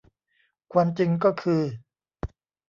ความจริงก็คือ